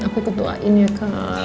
aku ketuain ya kak